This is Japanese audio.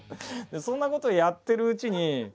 そんなことをやってるうちに。